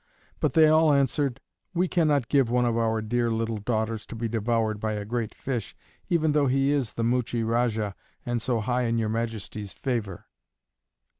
But they all answered: "We cannot give one of our dear little daughters to be devoured by a great fish, even though he is the Muchie Rajah and so high in your Majesty's favor."